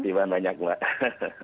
pasti banyak mbak